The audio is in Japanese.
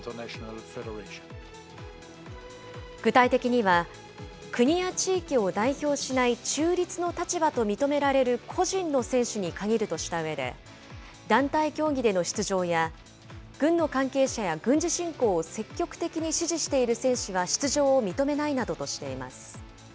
具体的には、国や地域を代表しない中立の立場と認められる個人の選手に限るとしたうえで、団体競技での出場や、軍の関係者や軍事侵攻を積極的に支持している選手は出場を認めないなどとしています。